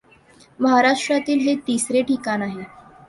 महाराष्ट्रातील हे तिसरे ठिकाण आहे.